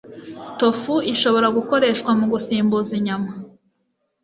Tofu irashobora gukoreshwa mugusimbuza inyama.